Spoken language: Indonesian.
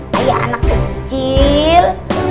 kayak anak kecil